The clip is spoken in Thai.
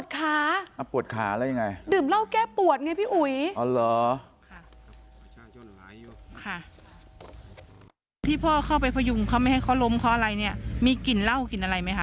ที่พ่อเข้าไปพยุงเขาไม่ให้เขาล้มเขาอะไรเนี่ยมีกลิ่นเหล้ากลิ่นอะไรไหมคะ